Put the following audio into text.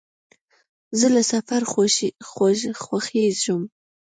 زه له سفر خوښېږم.